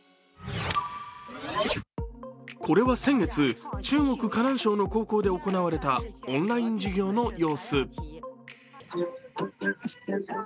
これは先月、中国・河南省の高校で行われたオンライン授業の様子。